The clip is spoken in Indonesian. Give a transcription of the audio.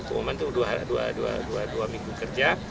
pengumuman itu dua minggu kerja